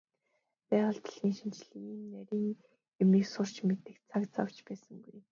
Байгаль дэлхийн шинжлэлийн ийм нарийн юмыг сурч мэдэх цаг зав ч байсангүй.